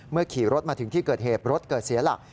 ขี่รถมาถึงที่เกิดเหตุรถเกิดเสียหลัก